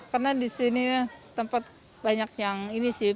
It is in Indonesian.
karena di sini tempat banyak yang ini sih